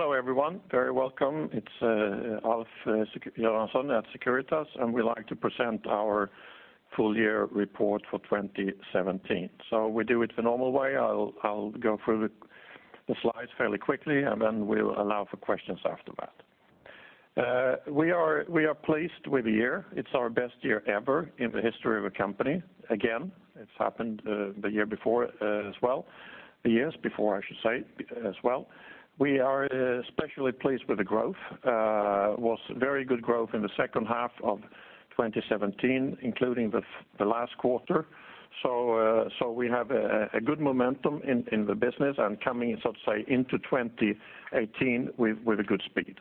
Hello everyone, very welcome. It's Alf Göransson at Securitas, and we'd like to present our full year report for 2017. So we do it the normal way: I'll go through the slides fairly quickly, and then we'll allow for questions after that. We are pleased with the year. It's our best year ever in the history of a company. Again, it's happened the year before as well, the years before, I should say, as well. We are especially pleased with the growth. It was very good growth in the second half of 2017, including the last quarter. So we have a good momentum in the business and coming, so to say, into 2018 with a good speed.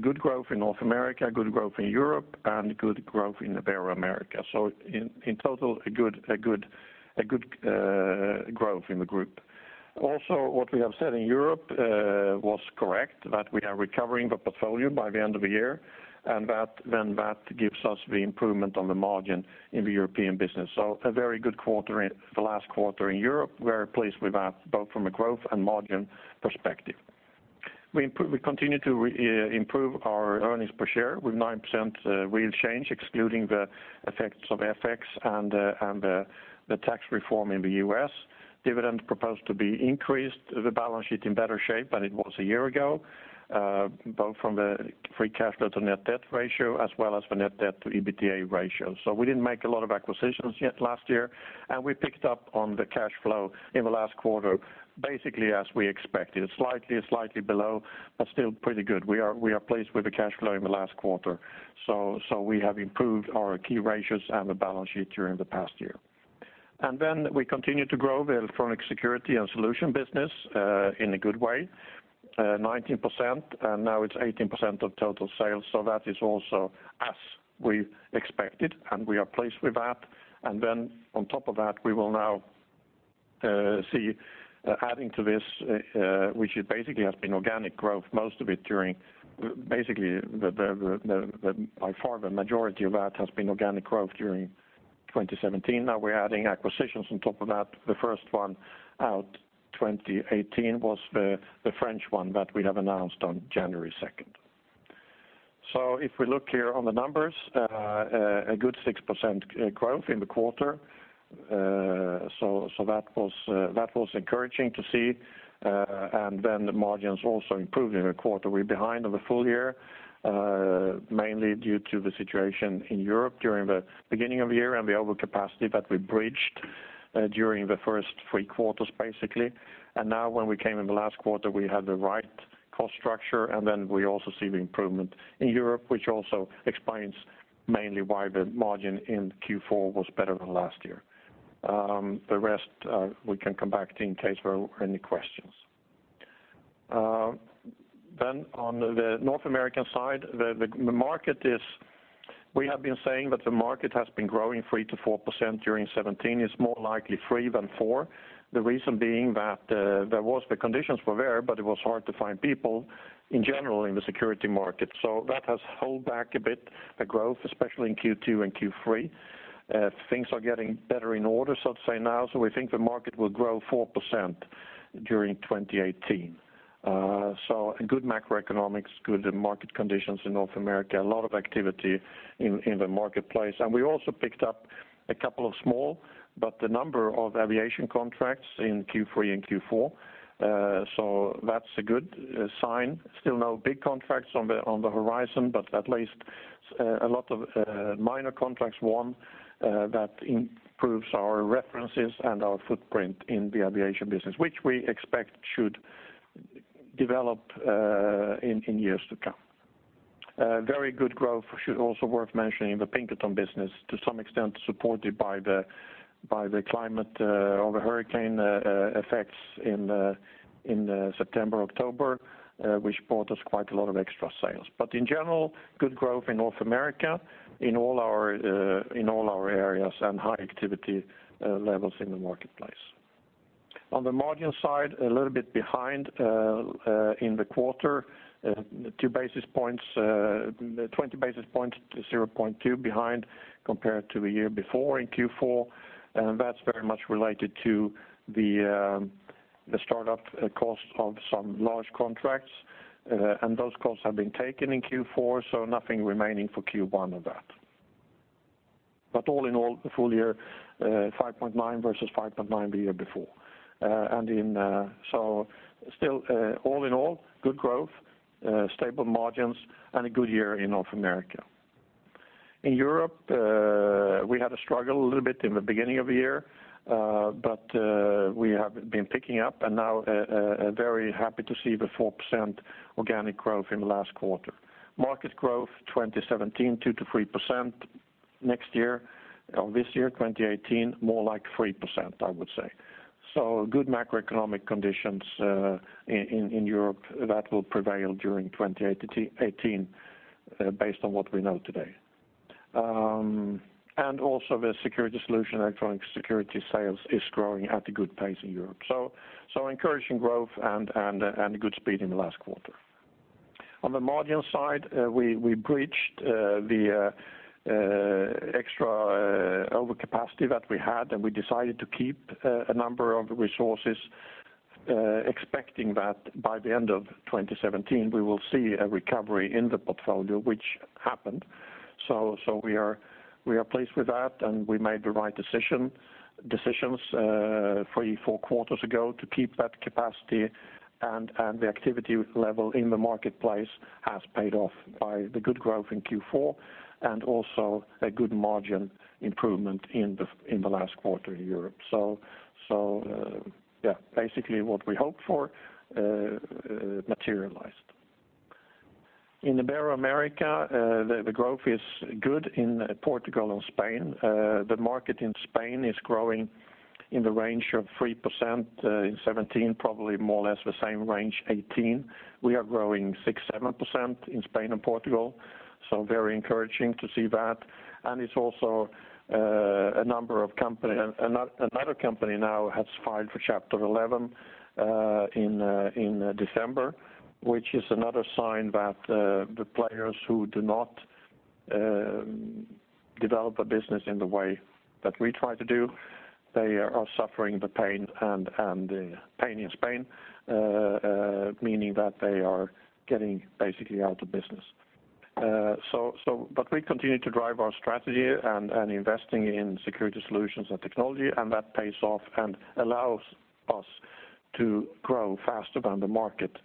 Good growth in North America, good growth in Europe, and good growth in the Ibero-America. So in total, a good growth in the group. Also, what we have said in Europe was correct, that we are recovering the portfolio by the end of the year, and that then that gives us the improvement on the margin in the European business. So, a very good quarter in the last quarter in Europe. Very pleased with that, both from a growth and margin perspective. We continue to improve our earnings per share with 9% real change, excluding the effects of FX and the tax reform in the U.S. Dividend proposed to be increased. The balance sheet is in better shape than it was a year ago, both from the free cash flow to net debt ratio as well as the net debt to EBITDA ratio. So we didn't make a lot of acquisitions yet last year, and we picked up on the cash flow in the last quarter, basically as we expected. Slightly, slightly below, but still pretty good. We are pleased with the cash flow in the last quarter. So we have improved our key ratios and the balance sheet during the past year. And then we continue to grow the electronic security and solution business in a good way, 19%, and now it's 18% of total sales. So that is also as we expected, and we are pleased with that. And then on top of that, we will now see adding to this, which basically has been organic growth, most of it during basically, by far, the majority of that has been organic growth during 2017. Now we're adding acquisitions on top of that. The first one in 2018 was the French one that we have announced on January 2nd. So if we look here on the numbers, a good 6% growth in the quarter. So that was encouraging to see. And then the margins also improved in the quarter. We're behind on the full year, mainly due to the situation in Europe during the beginning of the year and the overcapacity that we bridged during the first three quarters, basically. And now when we came in the last quarter, we had the right cost structure, and then we also see the improvement in Europe, which also explains mainly why the margin in Q4 was better than last year. The rest, we can come back to in case there are any questions. Then on the North America side, the market is we have been saying that the market has been growing 3%-4% during 2017. It's more likely 3% than 4%, the reason being that there were the conditions, but it was hard to find people in general in the security market. So that has held back a bit the growth, especially in Q2 and Q3. Things are getting better in order, so to say, now. So we think the market will grow 4% during 2018. So good macroeconomics, good market conditions in North America, a lot of activity in the marketplace. And we also picked up a couple of small, but the number of aviation contracts in Q3 and Q4. So that's a good sign. Still no big contracts on the horizon, but at least a lot of minor contracts won that improves our references and our footprint in the aviation business, which we expect should develop in years to come. Very good growth, should also be worth mentioning, the Pinkerton business, to some extent supported by the climate or the hurricane effects in September, October, which brought us quite a lot of extra sales. But in general, good growth in North America, in all our areas, and high activity levels in the marketplace. On the margin side, a little bit behind in the quarter, 2 basis points, 20 basis points, 0.2 behind compared to the year before in Q4. And that's very much related to the startup cost of some large contracts. And those costs have been taken in Q4, so nothing remaining for Q1 of that. But all in all, the full year, 5.9% versus 5.9% the year before. And so still, all in all, good growth, stable margins, and a good year in North America. In Europe, we had a struggle a little bit in the beginning of the year, but we have been picking up and now very happy to see the 4% organic growth in the last quarter. Market growth 2017, 2%-3%. Next year or this year, 2018, more like 3%, I would say. Good macroeconomic conditions in Europe that will prevail during 2018, based on what we know today. Also the security solution, electronic security sales, is growing at a good pace in Europe. Encouraging growth and a good speed in the last quarter. On the margin side, we bridged the extra overcapacity that we had, and we decided to keep a number of resources, expecting that by the end of 2017, we will see a recovery in the portfolio, which happened. We are pleased with that, and we made the right decisions three or four quarters ago to keep that capacity, and the activity level in the marketplace has paid off by the good growth in Q4 and also a good margin improvement in the last quarter in Europe. So yeah, basically what we hoped for materialized. In the Ibero-America, the growth is good in Portugal and Spain. The market in Spain is growing in the range of 3% in 2017, probably more or less the same range 2018. We are growing 6%-7% in Spain and Portugal. So very encouraging to see that. And it's also a number of companies another company now has filed for Chapter 11 in December, which is another sign that the players who do not develop a business in the way that we try to do, they are suffering the pain and the pain in Spain, meaning that they are getting basically out of business. But we continue to drive our strategy and investing in security solutions and technology, and that pays off and allows us to grow faster than the market,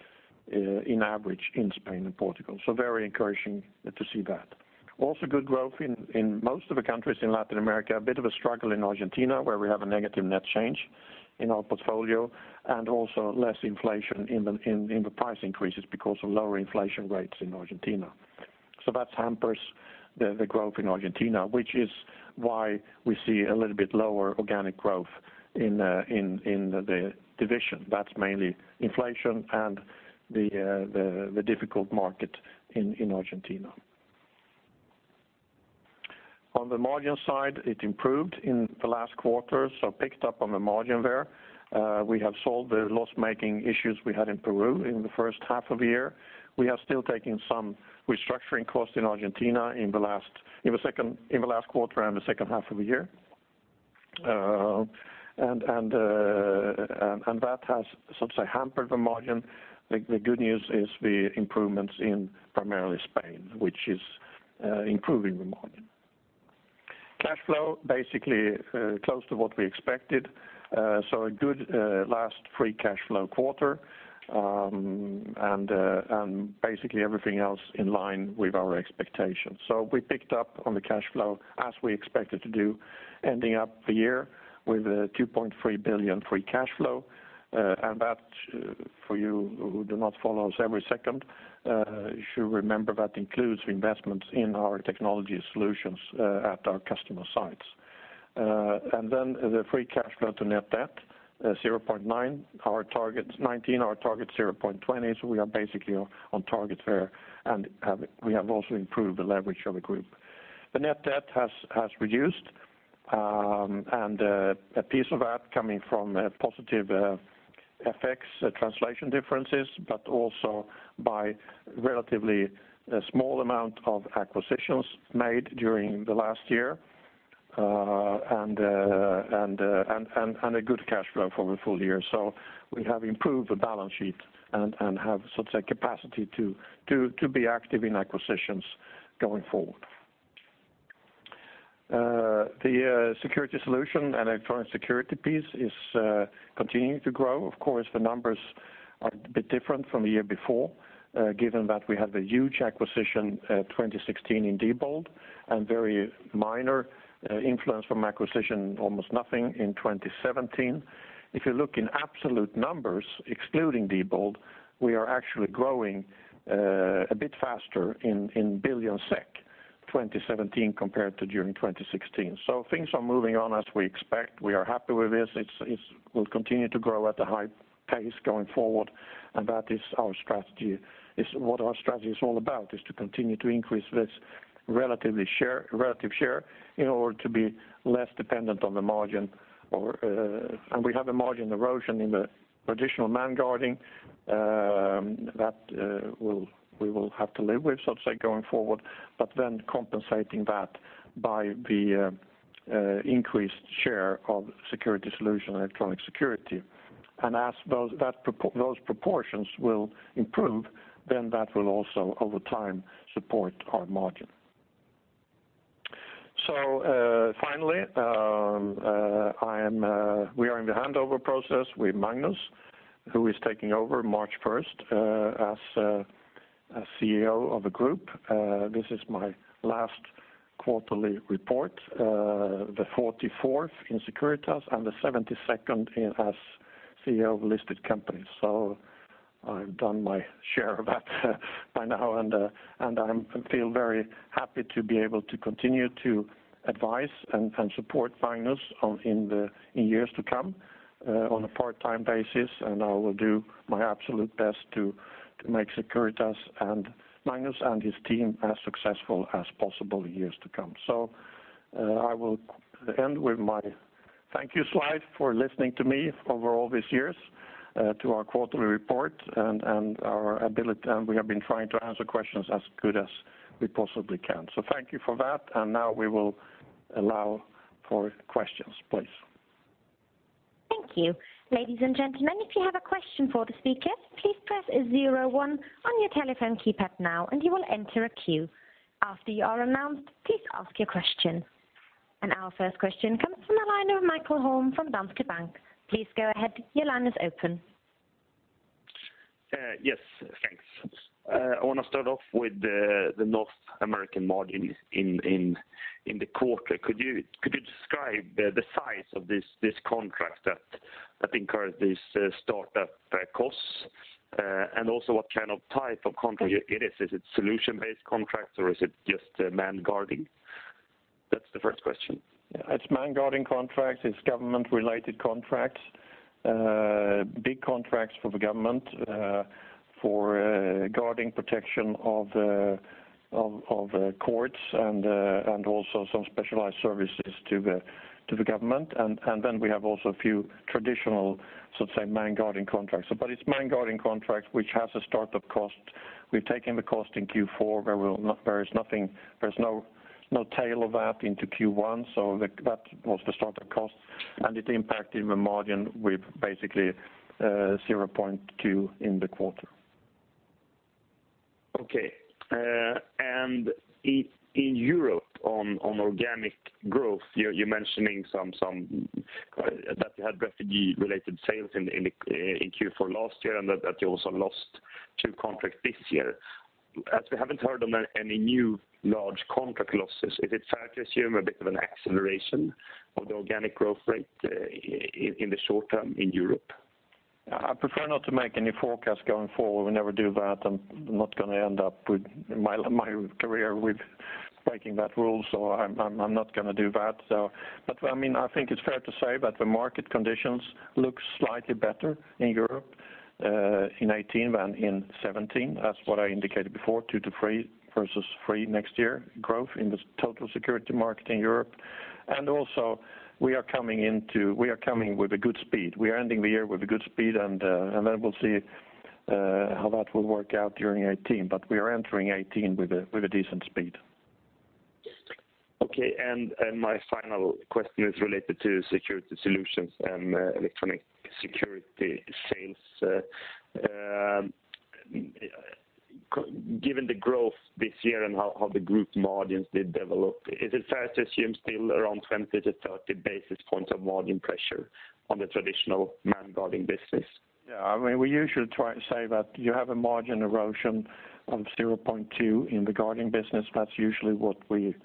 in average, in Spain and Portugal. Very encouraging to see that. Also, good growth in most of the countries in Latin America, a bit of a struggle in Argentina where we have a negative net change in our portfolio, and also less inflation in the price increases because of lower inflation rates in Argentina. That hampers the growth in Argentina, which is why we see a little bit lower organic growth in the division. That's mainly inflation and the difficult market in Argentina. On the margin side, it improved in the last quarter, so picked up on the margin there. We have solved the loss-making issues we had in Peru in the first half of the year. We are still taking some restructuring costs in Argentina in the last quarter and the second half of the year. That has, so to say, hampered the margin. The good news is the improvements in primarily Spain, which is improving the margin. Cash flow, basically close to what we expected. A good last free cash flow quarter and basically everything else in line with our expectations. We picked up on the cash flow as we expected to do, ending up the year with 2.3 billion free cash flow. And that, for you who do not follow us every second, you should remember that includes investments in our technology solutions at our customer sites. And then the free cash flow to net debt 0.9%. 19%, our target 0.20%. We are basically on target there, and we have also improved the leverage of the group. The net debt has reduced, and a piece of that coming from positive FX translation differences, but also by a relatively small amount of acquisitions made during the last year and a good cash flow for the full year. So we have improved the balance sheet and have, so to say, capacity to be active in acquisitions going forward. The security solution and electronic security piece is continuing to grow. Of course, the numbers are a bit different from the year before, given that we had a huge acquisition in 2016 in Diebold and very minor influence from acquisition, almost nothing, in 2017. If you look in absolute numbers, excluding Diebold, we are actually growing a bit faster in billion SEK in 2017 compared to during 2016. So things are moving on as we expect. We are happy with this. It will continue to grow at a high pace going forward, and that is our strategy. What our strategy is all about is to continue to increase this relative share in order to be less dependent on the margin. And we have a margin erosion in the traditional manned guarding that we will have to live with, so to say, going forward, but then compensating that by the increased share of security solution and electronic security. And as those proportions will improve, then that will also, over time, support our margin. So finally, we are in the handover process with Magnus, who is taking over March 1st as CEO of a group. This is my last quarterly report, the 44th in Securitas and the 72nd as CEO of listed companies. So I've done my share of that by now, and I feel very happy to be able to continue to advise and support Magnus in the years to come on a part-time basis. And I will do my absolute best to make Securitas and Magnus and his team as successful as possible in years to come. So I will end with my thank you slide for listening to me over all these years to our quarterly report and our ability, and we have been trying to answer questions as good as we possibly can. So thank you for that. And now we will allow for questions, please. Thank you. Ladies and gentlemen, if you have a question for the speaker, please press 01 on your telephone keypad now, and you will enter a queue. After you are announced, please ask your question. Our first question comes from the line of Mikael Holm from Danske Bank. Please go ahead. Your line is open. Yes. Thanks. I want to start off with the North American margin in the quarter. Could you describe the size of this contract that encourages these startup costs and also what kind of type of contract it is? Is it solution-based contracts, or is it just manned guarding? That's the first question. Yeah. It's manned guarding contracts. It's government-related contracts, big contracts for the government for guarding protection of courts and also some specialized services to the government. And then we have also a few traditional, so to say, manned guarding contracts. But it's manned guarding contracts which has a startup cost. We've taken the cost in Q4, where there's no tail of that into Q1. So that was the startup cost, and it impacted the margin with basically 0.2% in the quarter. Okay. And in Europe on organic growth, you're mentioning that you had refugee-related sales in Q4 last year and that you also lost two contracts this year. As we haven't heard of any new large contract losses, is it fair to assume a bit of an acceleration of the organic growth rate in the short term in Europe? I prefer not to make any forecasts going forward. We never do that. I'm not going to end up with my career with breaking that rule, so I'm not going to do that. But I mean, I think it's fair to say that the market conditions look slightly better in Europe in 2018 than in 2017, as what I indicated before, 2%-3% versus 3% next year growth in the total security market in Europe. And also, we are coming into we are coming with a good speed. We are ending the year with a good speed, and then we'll see how that will work out during 2018. But we are entering 2018 with a decent speed. Okay. My final question is related to security solutions and electronic security sales. Given the growth this year and how the group margins did develop, is it fair to assume still around 20-30 basis points of margin pressure on the traditional manned guarding business? Yeah. I mean, we usually say that you have a margin erosion of 0.2% in the guarding business. That's usually what we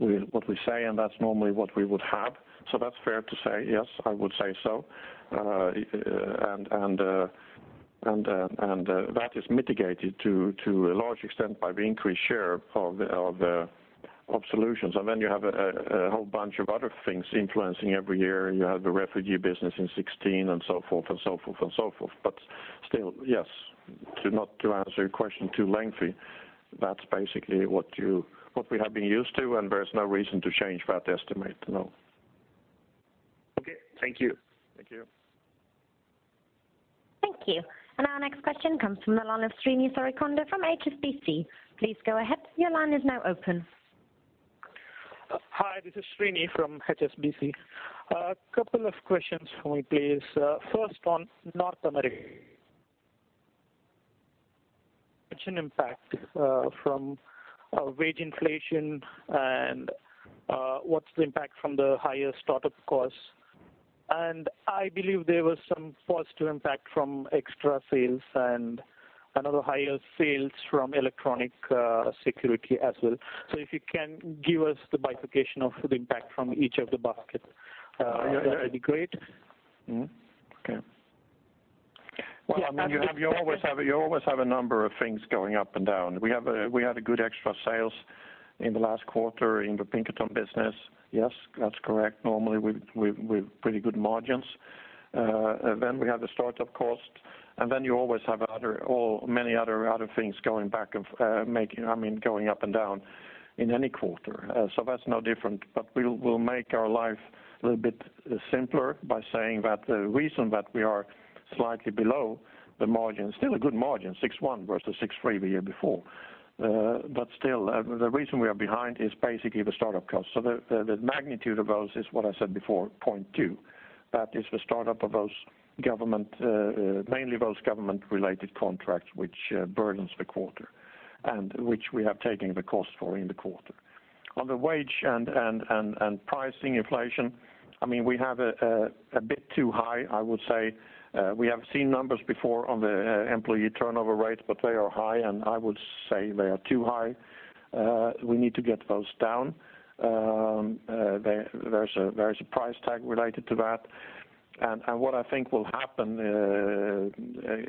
say, and that's normally what we would have. So that's fair to say. Yes, I would say so. And that is mitigated to a large extent by the increased share of solutions. And then you have a whole bunch of other things influencing every year. You have the refugee business in 2016 and so forth and so forth and so forth. But still, yes, not to answer your question too lengthy, that's basically what we have been used to, and there's no reason to change that estimate, no. Okay. Thank you. Thank you. Thank you. Our next question comes from the line of Srini Sorkinda from HSBC. Please go ahead. Your line is now open. Hi. This is Srini from HSBC. A couple of questions for me, please. First on North America, what's the margin impact from wage inflation, and what's the impact from the higher startup costs? And I believe there was some positive impact from extra sales and another higher sales from electronic security as well. So if you can give us the bifurcation of the impact from each of the baskets, that would be great. Yeah. Yeah. That would be great. Okay. Well, I mean, you always have a number of things going up and down. We had good extra sales in the last quarter in the Pinkerton business. Yes, that's correct. Normally, we have pretty good margins. Then we had the startup cost, and then you always have many other things going back and I mean, going up and down in any quarter. So that's no different. But we'll make our life a little bit simpler by saying that the reason that we are slightly below the margin is still a good margin, 6.1% versus 6.3% the year before. But still, the reason we are behind is basically the startup costs. So the magnitude of those is what I said before, 0.2%. That is the startup of those government mainly those government-related contracts which burdens the quarter and which we have taken the cost for in the quarter. On the wage and pricing inflation, I mean, we have a bit too high, I would say. We have seen numbers before on the employee turnover rates, but they are high, and I would say they are too high. We need to get those down. There's a price tag related to that. And what I think will happen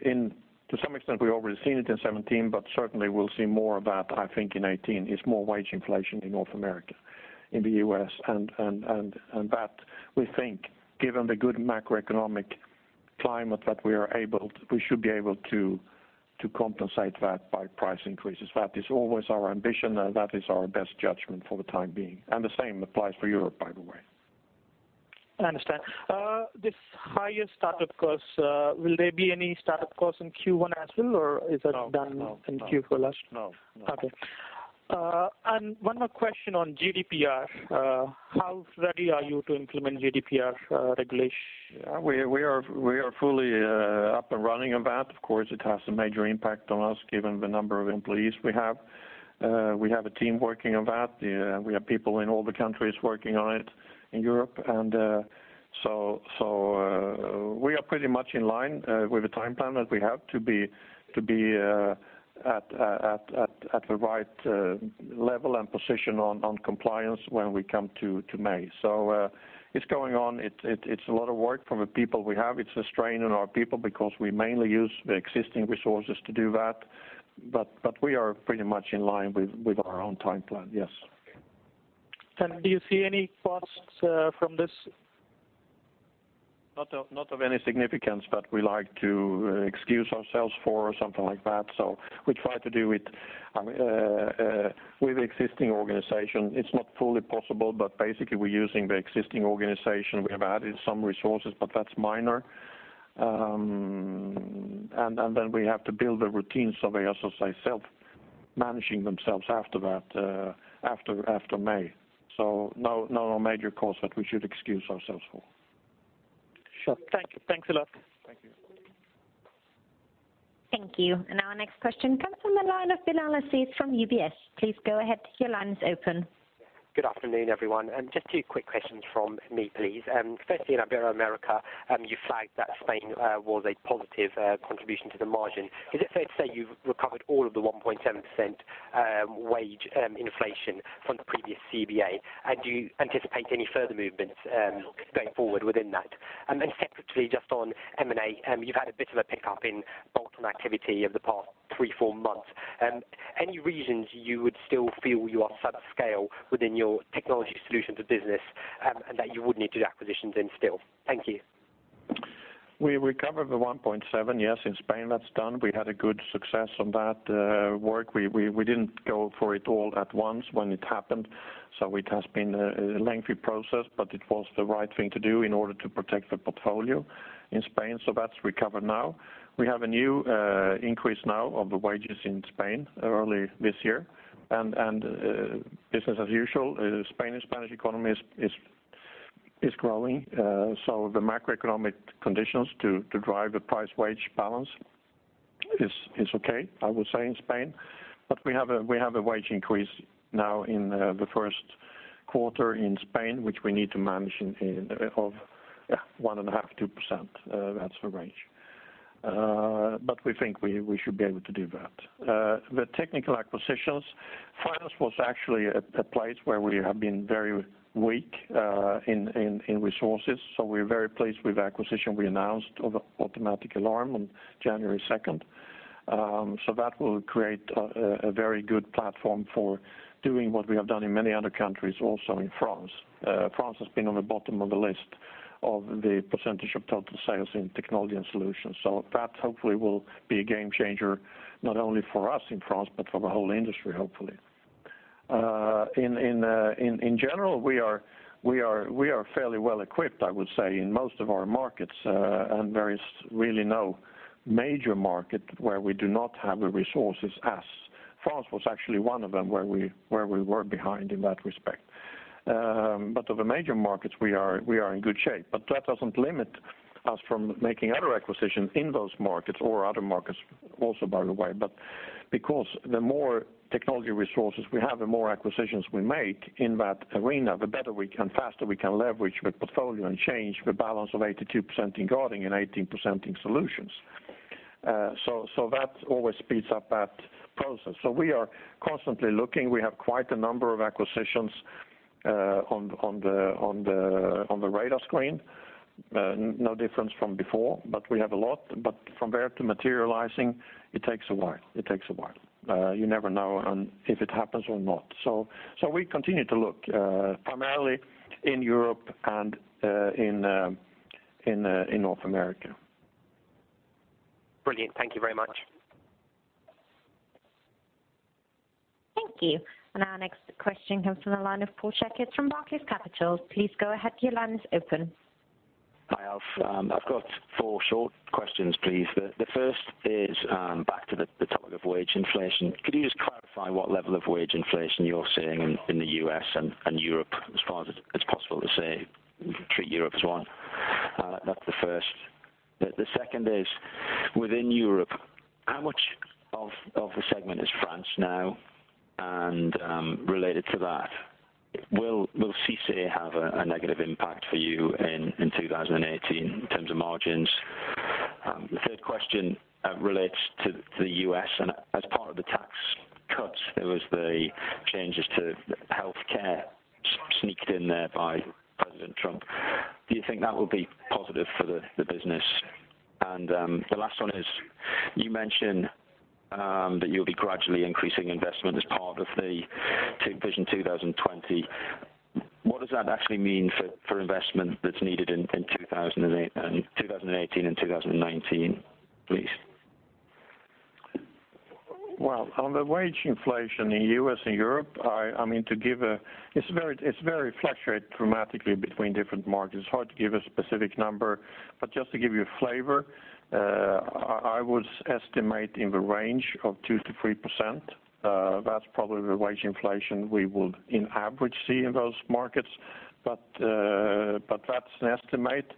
in to some extent, we've already seen it in 2017, but certainly, we'll see more of that, I think, in 2018 is more wage inflation in North America, in the U.S. And that, we think, given the good macroeconomic climate that we are able we should be able to compensate that by price increases. That is always our ambition, and that is our best judgment for the time being. The same applies for Europe, by the way. I understand. This higher startup costs, will there be any startup costs in Q1 as well, or is that done in Q4 last? No. No. No. Okay. And one more question on GDPR. How ready are you to implement GDPR regulation? Yeah. We are fully up and running on that. Of course, it has a major impact on us given the number of employees we have. We have a team working on that. We have people in all the countries working on it in Europe. And so we are pretty much in line with the time plan that we have to be at the right level and position on compliance when we come to May. So it's going on. It's a lot of work for the people we have. It's a strain on our people because we mainly use the existing resources to do that. But we are pretty much in line with our own time plan. Yes. Do you see any costs from this? Not of any significance that we like to excuse ourselves for or something like that. So we try to do it with the existing organization. It's not fully possible, but basically, we're using the existing organization. We have added some resources, but that's minor. And then we have to build a routine surveyor, so to say, self-managing themselves after May. So no, no major costs that we should excuse ourselves for. Sure. Thanks. Thanks a lot. Thank you. Thank you. Our next question comes from the line of Bilal Aziz from UBS. Please go ahead. Your line is open. Good afternoon, everyone. And just two quick questions from me, please. Firstly, in Ibero-America, you flagged that Spain was a positive contribution to the margin. Is it fair to say you've recovered all of the 1.7% wage inflation from the previous CBA, and do you anticipate any further movements going forward within that? And separately, just on M&A, you've had a bit of a pickup in bolt-on activity over the past 3-4 months. Any reasons you would still feel you are subscale within your technology solutions business and that you would need to do acquisitions in it still? Thank you. We recovered the 1.7%. Yes, in Spain, that's done. We had a good success on that work. We didn't go for it all at once when it happened. So it has been a lengthy process, but it was the right thing to do in order to protect the portfolio in Spain. So that's recovered now. We have a new increase now of the wages in Spain early this year. And business as usual, Spain's Spanish economy is growing. So the macroeconomic conditions to drive the price-wage balance is okay, I would say, in Spain. But we have a wage increase now in the first quarter in Spain, which we need to manage of 1.5%-2%. That's the range. But we think we should be able to do that. The technical acquisitions, France was actually a place where we have been very weak in resources. So we're very pleased with the acquisition we announced of Automatic Alarm on January 2nd. So that will create a very good platform for doing what we have done in many other countries, also in France. France has been on the bottom of the list of the percentage of total sales in technology and solutions. So that, hopefully, will be a game-changer not only for us in France but for the whole industry, hopefully. In general, we are fairly well-equipped, I would say, in most of our markets. And there is really no major market where we do not have the resources as France was actually one of them where we were behind in that respect. But of the major markets, we are in good shape. But that doesn't limit us from making other acquisitions in those markets or other markets also, by the way. But because the more technology resources we have and more acquisitions we make in that arena, the better we can faster we can leverage the portfolio and change the balance of 82% in guarding and 18% in solutions. So that always speeds up that process. So we are constantly looking. We have quite a number of acquisitions on the radar screen, no difference from before. But we have a lot. But from there to materializing, it takes a while. It takes a while. You never know if it happens or not. So we continue to look, primarily in Europe and in North America. Brilliant. Thank you very much. Thank you. And our next question comes from the line of Paul Checketts from Barclays Capital. Please go ahead. Your line is open. Hi. I've got four short questions, please. The first is back to the topic of wage inflation. Could you just clarify what level of wage inflation you're seeing in the U.S. and Europe, as far as it's possible to say, treat Europe as one? That's the first. The second is, within Europe, how much of the segment is France now? And related to that, will CICE have a negative impact for you in 2018 in terms of margins? The third question relates to the U.S. And as part of the tax cuts, there was the changes to healthcare sneaked in there by President Trump. Do you think that will be positive for the business? And the last one is, you mentioned that you'll be gradually increasing investment as part of Vision 2020. What does that actually mean for investment that's needed in 2018 and 2019, please? Well, on the wage inflation in the US and Europe, I mean, to give a, it's very fluctuated dramatically between different markets. It's hard to give a specific number. But just to give you a flavor, I would estimate in the range of 2%-3%. That's probably the wage inflation we would, in average, see in those markets. But that's an estimate,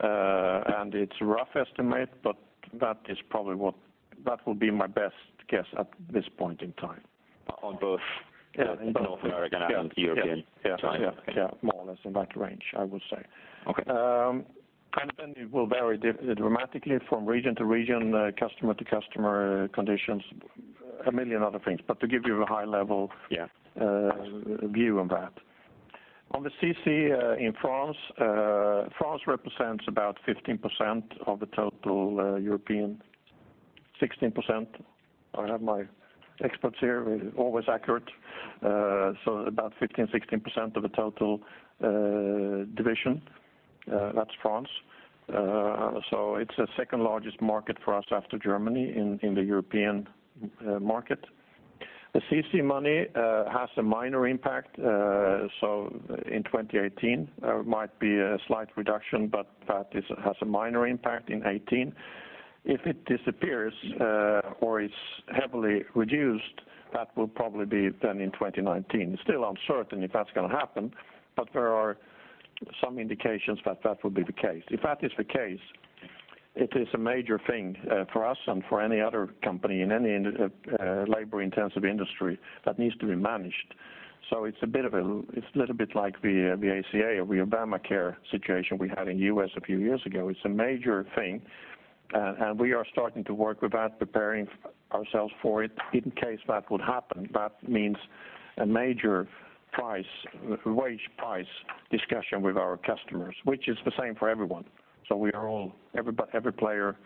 and it's a rough estimate. But that is probably what that will be my best guess at this point in time. On both North American and European timeframe? Yeah. Yeah. Yeah. More or less in that range, I would say. And then it will vary dramatically from region to region, customer to customer conditions, a million other things. But to give you a high-level view on that, on the CICE in France, France represents about 15% of the total European, 16%. I have my experts here. We're always accurate. So about 15%, 16% of the total division, that's France. So it's the second-largest market for us after Germany in the European market. The CICE money has a minor impact. So in 2018, there might be a slight reduction, but that has a minor impact in 2018. If it disappears or is heavily reduced, that will probably be then in 2019. It's still uncertain if that's going to happen. But there are some indications that that will be the case. If that is the case, it is a major thing for us and for any other company in any labor-intensive industry that needs to be managed. So it's a bit of a it's a little bit like the ACA or the Obamacare situation we had in the U.S. a few years ago. It's a major thing. And we are starting to work with that, preparing ourselves for it in case that would happen. That means a major wage price discussion with our customers, which is the same for everyone. So every player,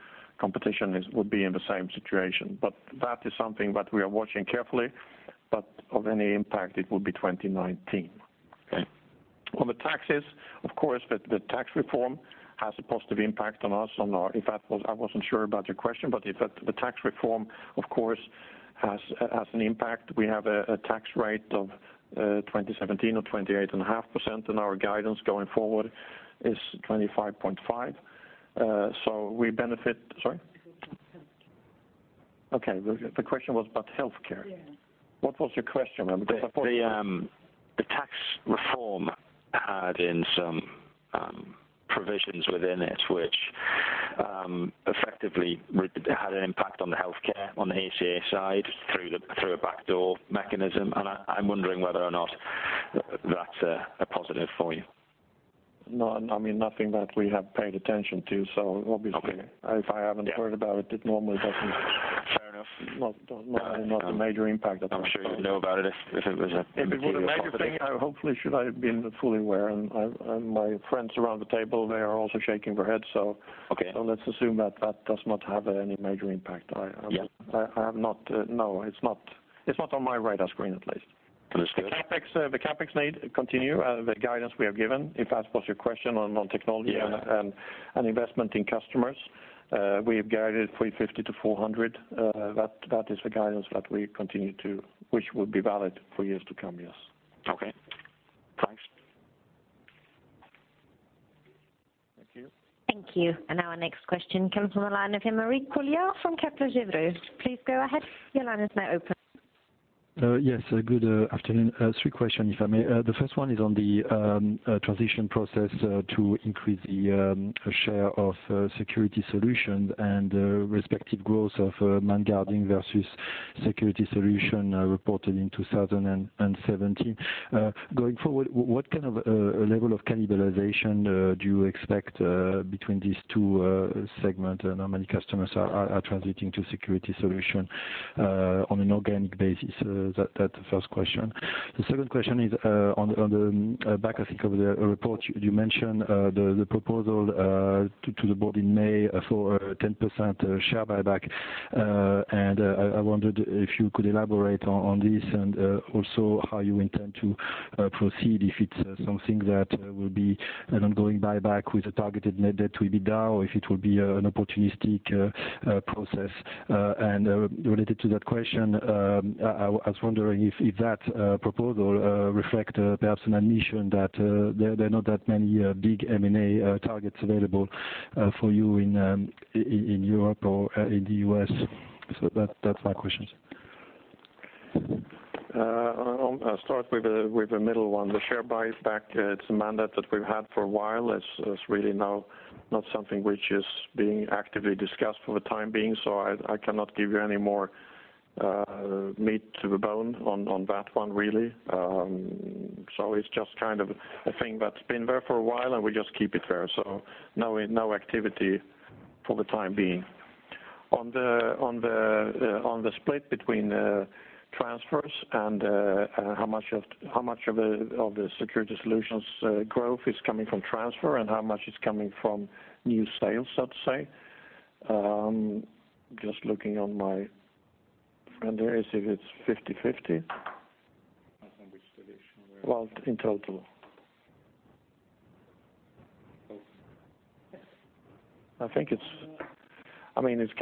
competition would be in the same situation. But that is something that we are watching carefully. But of any impact, it will be 2019. On the taxes, of course, the tax reform has a positive impact on us. I wasn't sure about your question. If the tax reform, of course, has an impact, we have a tax rate for 2017 of 28.5%. Our guidance going forward is 25.5%. We benefit, sorry? It's all about healthcare. Okay. The question was about healthcare. What was your question, man? Because I thought you. The tax reform had some provisions within it which effectively had an impact on the healthcare on the ACA side through a backdoor mechanism. I'm wondering whether or not that's a positive for you. No. I mean, nothing that we have paid attention to. Obviously, if I haven't heard about it, it normally doesn't. Fair enough. Normally, not a major impact at all. I'm sure you'd know about it if it was a big deal. If it was a major thing, hopefully, should I have been fully aware. My friends around the table, they are also shaking their heads. Let's assume that that does not have any major impact. I have not no. It's not on my radar screen, at least. Understood. The CapEx need continue. The guidance we have given, if that was your question, on technology and investment in customers, we have guided it 350-400. That is the guidance that we continue to which will be valid for years to come. Yes. Okay. Thanks. Thank you. Thank you. Our next question comes from the line of Aymeric Poulain from Kepler Cheuvreux. Please go ahead. Your line is now open. Yes. Good afternoon. Three questions, if I may. The first one is on the transition process to increase the share of security solutions and respective growth of manned guarding versus security solution reported in 2017. Going forward, what kind of level of cannibalization do you expect between these two segments? Normally, customers are transiting to security solution on an organic basis. That's the first question. The second question is on the back, I think, of the report, you mentioned the proposal to the board in May for a 10% share buyback. And I wondered if you could elaborate on this and also how you intend to proceed if it's something that will be an ongoing buyback with a targeted net debt to EBITDA or if it will be an opportunistic process. Related to that question, I was wondering if that proposal reflects perhaps an admission that there are not that many big M&A targets available for you in Europe or in the U.S. That's my questions. I'll start with a middle one. The share buyback, it's a mandate that we've had for a while. It's really now not something which is being actively discussed for the time being. So I cannot give you any more meat to the bone on that one, really. So it's just kind of a thing that's been there for a while, and we just keep it there. So no activity for the time being. On the split between transfers and how much of the security solutions growth is coming from transfer and how much is coming from new sales, so to say, just looking on my friend there, is it 50/50? Well, in total, I think it's. I mean, it's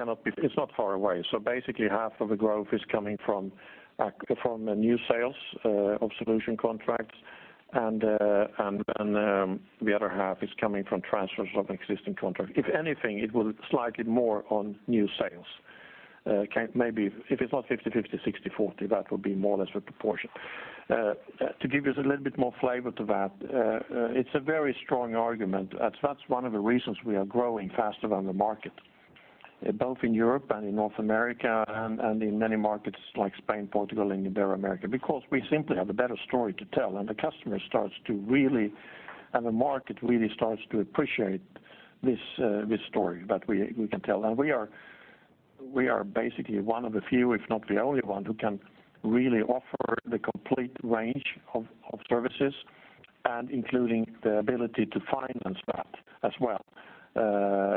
not far away. So basically, half of the growth is coming from new sales of solution contracts. And then the other half is coming from transfers of existing contracts. If anything, it will be slightly more on new sales. Maybe if it's not 50/50, 60/40, that would be more or less a proportion. To give you a little bit more flavor to that, it's a very strong argument. That's one of the reasons we are growing faster than the market, both in Europe and in North America and in many markets like Spain, Portugal, and Ibero-America, because we simply have a better story to tell. And the customer starts to really and the market really starts to appreciate this story that we can tell. We are basically one of the few, if not the only one, who can really offer the complete range of services and including the ability to finance that as well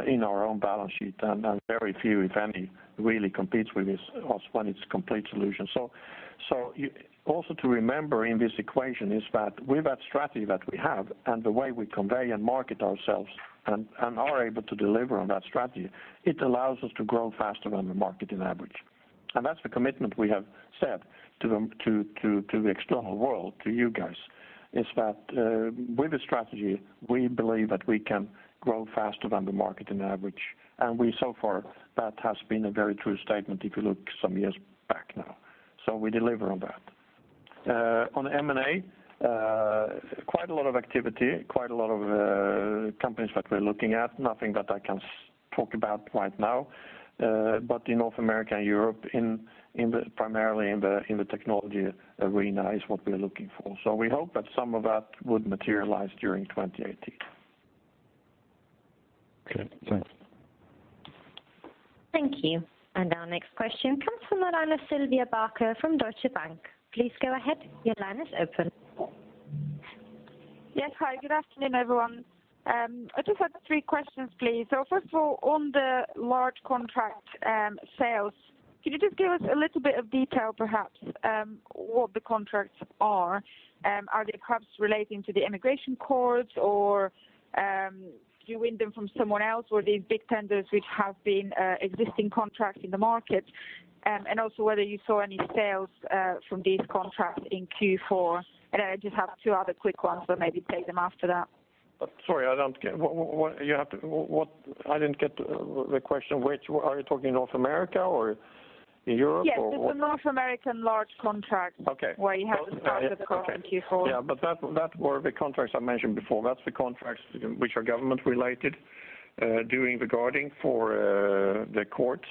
in our own balance sheet. Very few, if any, really compete with us when it's complete solutions. Also to remember in this equation is that with that strategy that we have and the way we convey and market ourselves and are able to deliver on that strategy, it allows us to grow faster than the market on average. That's the commitment we have said to the external world, to you guys, is that with this strategy, we believe that we can grow faster than the market on average. So far, that has been a very true statement if you look some years back now. We deliver on that. On M&A, quite a lot of activity, quite a lot of companies that we're looking at, nothing that I can talk about right now. But in North America and Europe, primarily in the technology arena, is what we're looking for. So we hope that some of that would materialize during 2018. Okay. Thanks. Thank you. Our next question comes from the line of Sylvia Barker from Deutsche Bank. Please go ahead. Your line is open. Yes. Hi. Good afternoon, everyone. I just had three questions, please. So first of all, on the large contract sales, can you just give us a little bit of detail, perhaps, what the contracts are? Are they perhaps relating to the immigration courts, or do you win them from someone else, or these big tenders which have been existing contracts in the market? And also whether you saw any sales from these contracts in Q4. And then I just have two other quick ones, but maybe take them after that. But sorry, I don't get what you have to. I didn't get the question. Are you talking North America or Europe or what? Yes. It's a North American large contract where you have to start with the court in Q4. Okay. Yeah. But that were the contracts I mentioned before. That's the contracts which are government-related doing the guarding for the courts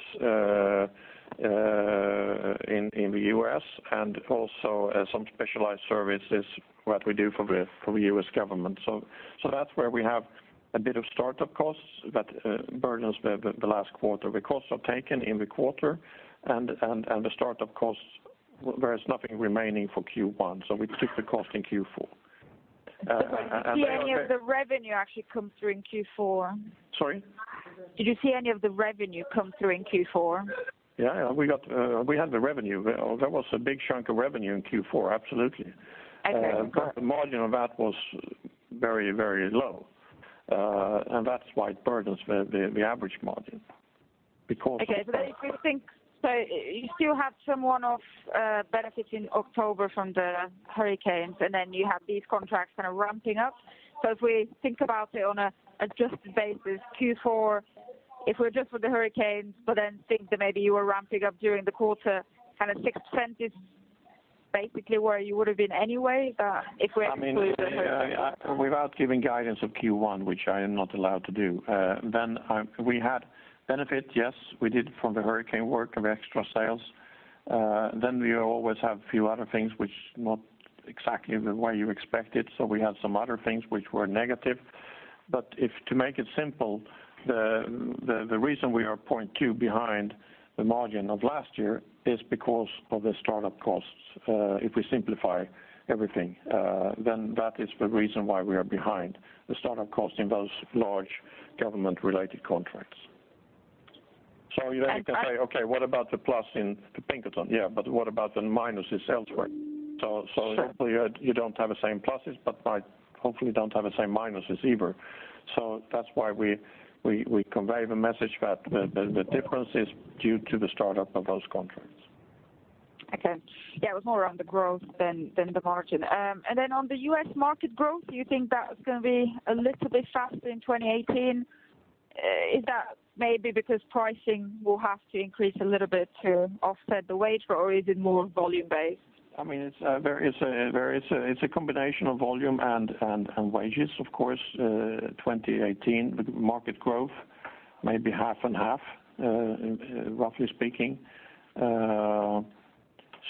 in the U.S. and also some specialized services that we do for the U.S. government. So that's where we have a bit of startup costs that burdens the last quarter. The costs are taken in the quarter, and the startup costs, there is nothing remaining for Q1. So we took the cost in Q4. Is the question, did you see any of the revenue actually come through in Q4? Sorry? Did you see any of the revenue come through in Q4? Yeah. Yeah. We had the revenue. There was a big chunk of revenue in Q4, absolutely. But the margin of that was very, very low. And that's why it burdens the average margin because of. Okay. So then if we think so you still have some one-off benefits in October from the hurricanes, and then you have these contracts kind of ramping up. So if we think about it on an adjusted basis, Q4, if we adjust for the hurricanes but then think that maybe you were ramping up during the quarter, kind of 6% is basically where you would have been anyway if we exclude the hurricanes. I mean, without giving guidance of Q1, which I am not allowed to do, then we had benefit. Yes, we did from the hurricane work and the extra sales. Then we always have a few other things which are not exactly the way you expect it. So we had some other things which were negative. But to make it simple, the reason we are 0.2% behind the margin of last year is because of the startup costs. If we simplify everything, then that is the reason why we are behind the startup costs in those large government-related contracts. So then you can say, "Okay. What about the plus in the Pinkerton?" Yeah. But what about the minuses elsewhere? So hopefully, you don't have the same pluses but hopefully, you don't have the same minuses either. So that's why we convey the message that the difference is due to the startup of those contracts. Okay. Yeah. It was more around the growth than the margin. And then on the US market growth, do you think that's going to be a little bit faster in 2018? Is that maybe because pricing will have to increase a little bit to offset the wage growth, or is it more volume-based? I mean, it's a combination of volume and wages, of course. 2018, market growth may be half and half, roughly speaking.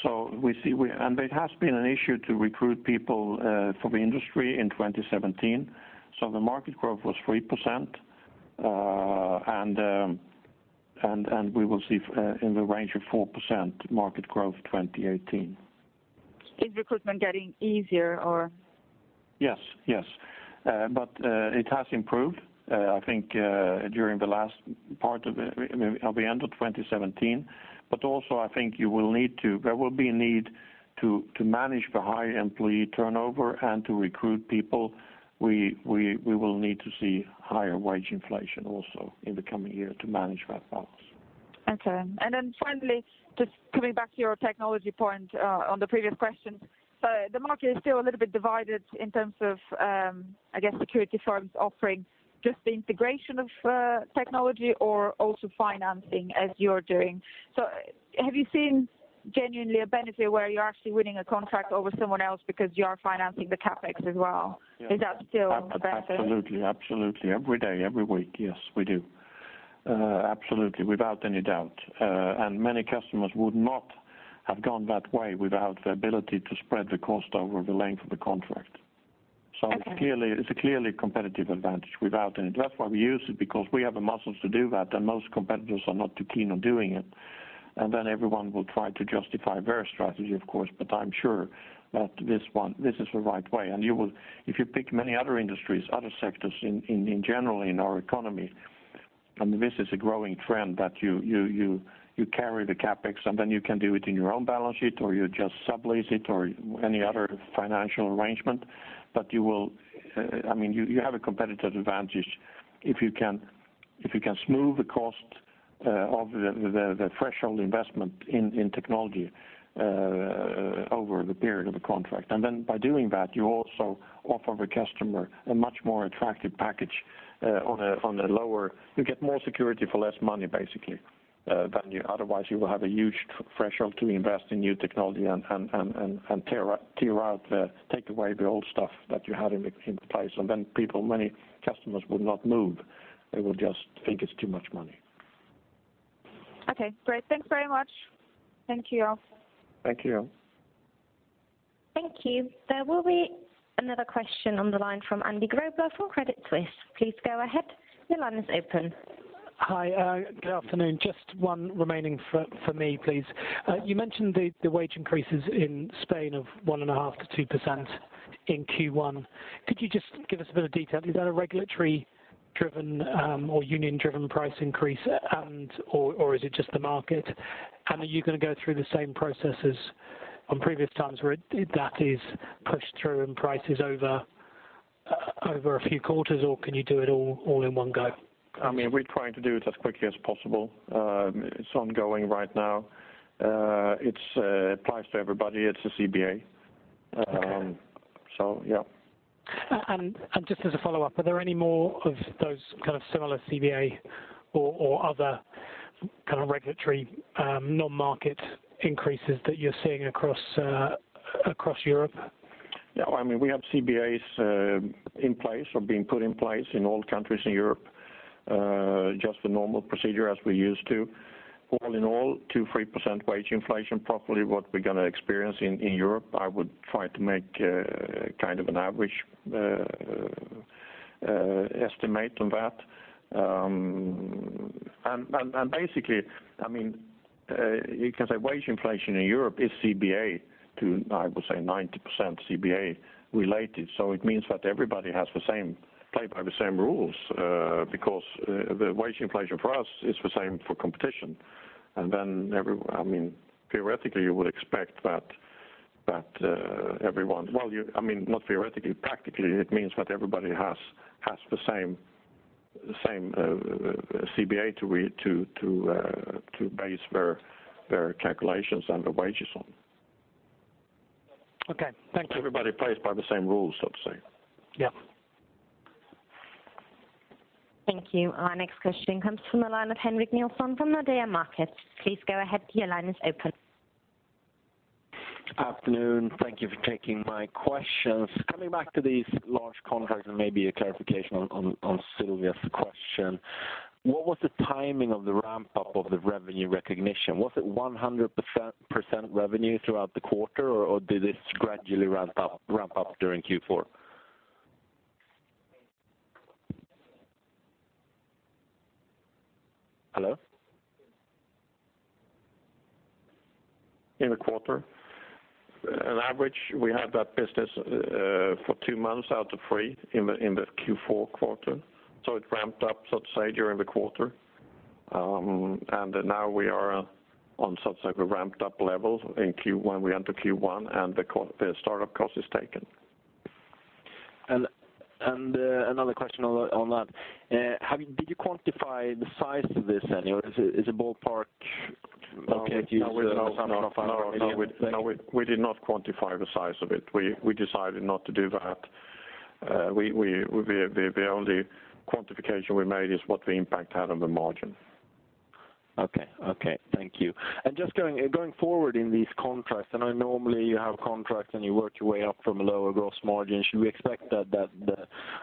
So we see and it has been an issue to recruit people for the industry in 2017. So the market growth was 3%. And we will see in the range of 4% market growth 2018. Is recruitment getting easier, or? Yes. Yes. But it has improved, I think, during the last part of the end of 2017. But also, I think you will need to manage the high employee turnover and to recruit people. We will need to see higher wage inflation also in the coming year to manage that balance. Okay. And then finally, just coming back to your technology point on the previous questions, so the market is still a little bit divided in terms of, I guess, security firms offering just the integration of technology or also financing as you are doing. So have you seen genuinely a benefit where you're actually winning a contract over someone else because you are financing the CapEx as well? Is that still a benefit? Absolutely. Absolutely. Every day, every week, yes, we do. Absolutely, without any doubt. And many customers would not have gone that way without the ability to spread the cost over the length of the contract. So it's clearly a competitive advantage without any. That's why we use it because we have the muscles to do that, and most competitors are not too keen on doing it. And then everyone will try to justify their strategy, of course. But I'm sure that this is the right way. And if you pick many other industries, other sectors in general in our economy, I mean, this is a growing trend that you carry the CapEx, and then you can do it in your own balance sheet or you just sublease it or any other financial arrangement. But I mean, you have a competitive advantage if you can smooth the cost of the threshold investment in technology over the period of the contract. And then by doing that, you also offer the customer a much more attractive package on a lower you get more security for less money, basically, than you otherwise, you will have a huge threshold to invest in new technology and take away the old stuff that you had in place. And then many customers would not move. They would just think it's too much money. Okay. Great. Thanks very much. Thank you. Thank you. Thank you. There will be another question on the line from Andy Grobler from Credit Suisse. Please go ahead. Your line is open. Hi. Good afternoon. Just one remaining for me, please. You mentioned the wage increases in Spain of 1.5%-2% in Q1. Could you just give us a bit of detail? Is that a regulatory-driven or union-driven price increase, or is it just the market? And are you going to go through the same process as on previous times where that is pushed through and price is over a few quarters, or can you do it all in one go? I mean, we're trying to do it as quickly as possible. It's ongoing right now. It applies to everybody. It's a CBA. So yeah. Just as a follow-up, are there any more of those kind of similar CBA or other kind of regulatory non-market increases that you're seeing across Europe? Yeah. I mean, we have CBAs in place or being put in place in all countries in Europe, just the normal procedure as we used to. All in all, 2%-3% wage inflation, probably what we're going to experience in Europe. I would try to make kind of an average estimate on that. And basically, I mean, you can say wage inflation in Europe is CBA to, I would say, 90% CBA-related. So it means that everybody has to play by the same rules because the wage inflation for us is the same for competition. And then I mean, theoretically, you would expect that everyone well, I mean, not theoretically. Practically, it means that everybody has the same CBA to base their calculations and their wages on. Okay. Thank you. Everybody plays by the same rules, so to say. Yeah. Thank you. Our next question comes from the line of Henrik Nielsen from Nordea Markets. Please go ahead. Your line is open. Afternoon. Thank you for taking my questions. Coming back to these large contracts and maybe a clarification on Sylvia's question, what was the timing of the ramp-up of the revenue recognition? Was it 100% revenue throughout the quarter, or did this gradually ramp up during Q4? Hello? In the quarter, on average, we had that business for two months out of three in the Q4 quarter. So it ramped up, so to say, during the quarter. And now we are on, so to say, a ramped-up level in Q1. We enter Q1, and the startup cost is taken. Another question on that. Did you quantify the size of this? Any, or is it ballpark? Did you use an assumption of SEK 500 million? No. No. No. We did not quantify the size of it. We decided not to do that. The only quantification we made is what the impact had on the margin. Okay. Okay. Thank you. And just going forward in these contracts, I know normally you have contracts, and you work your way up from a lower gross margin. Should we expect that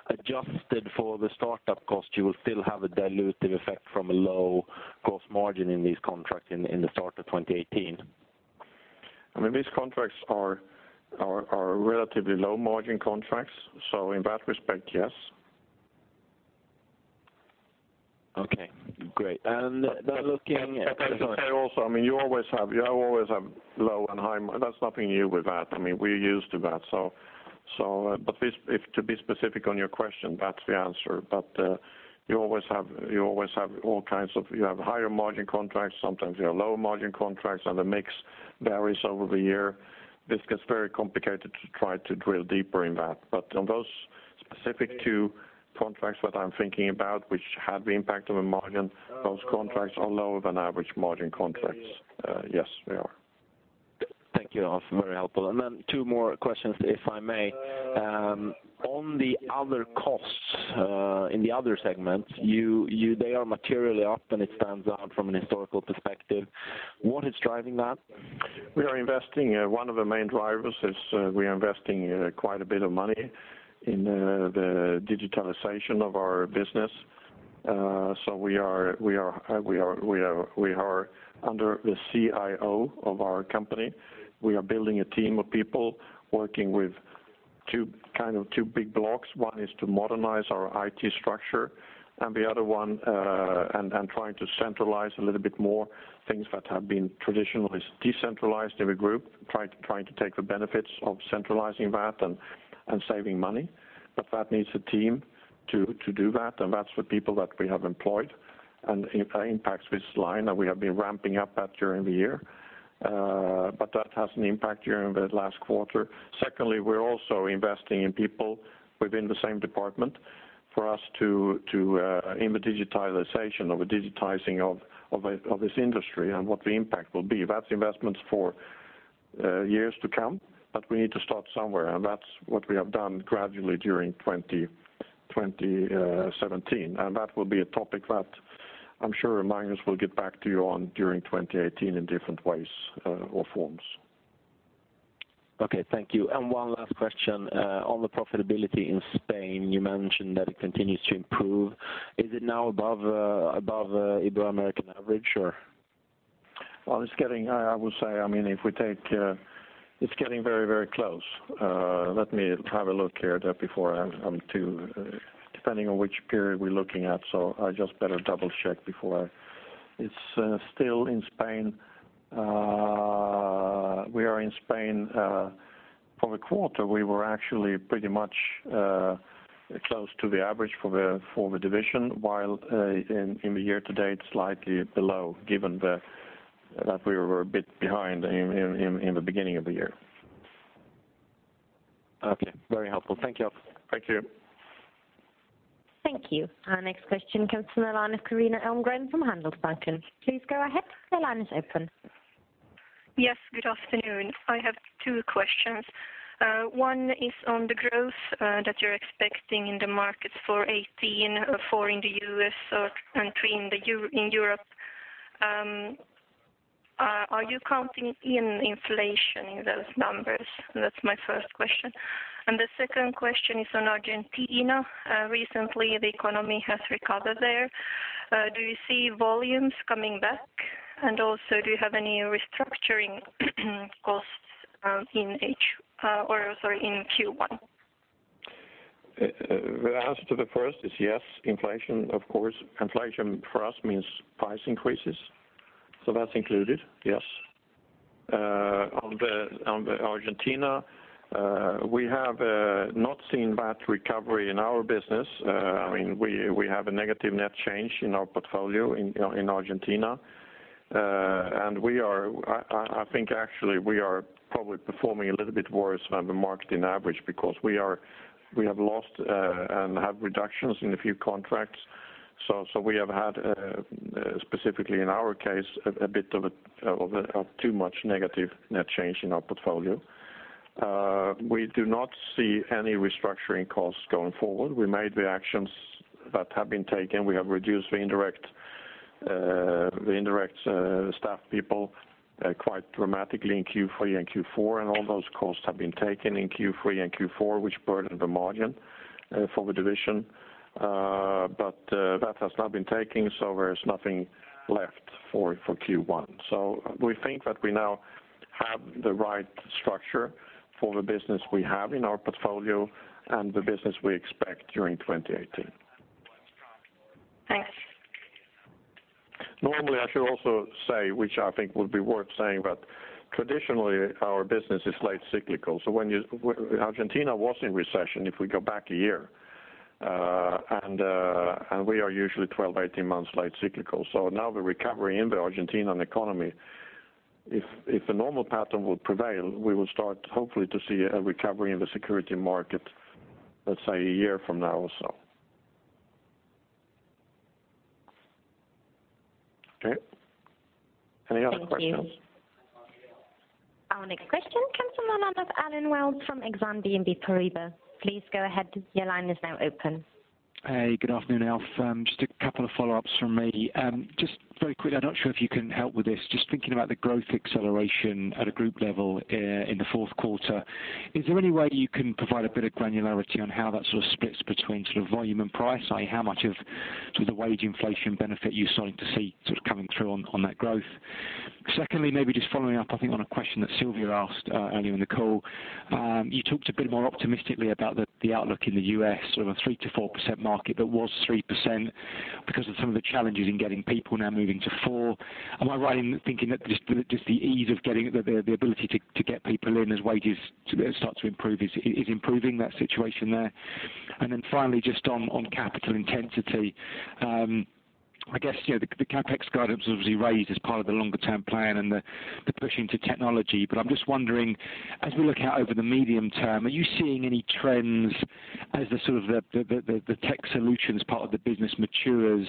adjusted for the startup cost, you will still have a dilutive effect from a low gross margin in these contracts in the start of 2018? I mean, these contracts are relatively low-margin contracts. So in that respect, yes. Okay. Great. And then looking. But I would say also, I mean, you always have low and high. That's nothing new with that. I mean, we're used to that. But to be specific on your question, that's the answer. But you always have all kinds of. You have higher-margin contracts. Sometimes you have lower-margin contracts, and the mix varies over the year. This gets very complicated to try to drill deeper in that. But on those specific two contracts that I'm thinking about which had the impact on the margin, those contracts are lower-than-average-margin contracts. Yes, they are. Thank you. That's very helpful. And then two more questions, if I may. On the other costs in the other segments, they are materially up, and it stands out from a historical perspective. What is driving that? We are investing. One of the main drivers is we are investing quite a bit of money in the digitalization of our business. So we are under the CIO of our company. We are building a team of people working with kind of two big blocks. One is to modernize our IT structure, and the other one and trying to centralize a little bit more things that have been traditionally decentralized in the group, trying to take the benefits of centralizing that and saving money. But that needs a team to do that. And that's the people that we have employed and impacts this line. And we have been ramping up that during the year. But that has an impact during the last quarter. Secondly, we're also investing in people within the same department for us to in the digitalization or the digitizing of this industry and what the impact will be. That's investments for years to come, but we need to start somewhere. That will be a topic that I'm sure Magnus will get back to you on during 2018 in different ways or forms. Okay. Thank you. And one last question. On the profitability in Spain, you mentioned that it continues to improve. Is it now above the Ibero-American average, or? Well, I would say, I mean, if we take, it's getting very, very close. Let me have a look here before I'm too depending on which period we're looking at. So I just better double-check before I it's still in Spain. We are in Spain. For the quarter, we were actually pretty much close to the average for the division, while in the year-to-date, slightly below given that we were a bit behind in the beginning of the year. Okay. Very helpful. Thank you. Thank you. Thank you. Our next question comes from the line of Carina Elmgren from Handelsbanken. Please go ahead. Your line is open. Yes. Good afternoon. I have two questions. One is on the growth that you're expecting in the markets for 2018, in the U.S., and in Europe. Are you counting in inflation in those numbers? That's my first question. The second question is on Argentina. Recently, the economy has recovered there. Do you see volumes coming back? And also, do you have any restructuring costs in Q1? The answer to the first is yes, inflation, of course. Inflation for us means price increases. So that's included, yes. On Argentina, we have not seen that recovery in our business. I mean, we have a negative net change in our portfolio in Argentina. And I think, actually, we are probably performing a little bit worse than the market on average because we have lost and have reductions in a few contracts. So we have had, specifically in our case, a bit of too much negative net change in our portfolio. We do not see any restructuring costs going forward. We made the actions that have been taken. We have reduced the indirect staff people quite dramatically in Q3 and Q4. And all those costs have been taken in Q3 and Q4, which burdened the margin for the division. That has not been taken, so there's nothing left for Q1. We think that we now have the right structure for the business we have in our portfolio and the business we expect during 2018. Thanks. Normally, I should also say, which I think would be worth saying, that traditionally, our business is late cyclical. So Argentina was in recession if we go back a year. And we are usually 12, 18 months late cyclical. So now the recovery in the Argentine economy, if a normal pattern would prevail, we would start, hopefully, to see a recovery in the security market, let's say, a year from now or so. Okay? Any other questions? Thank you. Our next question comes from the line of Allen Wells from Exane BNP Paribas. Please go ahead. Your line is now open. Hey. Good afternoon, Alf. Just a couple of follow-ups from me. Just very quickly, I'm not sure if you can help with this. Just thinking about the growth acceleration at a group level in the fourth quarter, is there any way you can provide a bit of granularity on how that sort of splits between sort of volume and price, i.e., how much of sort of the wage inflation benefit you're starting to see sort of coming through on that growth? Secondly, maybe just following up, I think, on a question that Sylvia asked earlier in the call. You talked a bit more optimistically about the outlook in the US, sort of a 3%-4% market that was 3% because of some of the challenges in getting people now moving to 4%. Am I right in thinking that just the ease of getting the ability to get people in as wages start to improve is improving that situation there? And then finally, just on capital intensity, I guess the CapEx guidance was obviously raised as part of the longer-term plan and the push into technology. But I'm just wondering, as we look out over the medium term, are you seeing any trends as sort of the tech solutions part of the business matures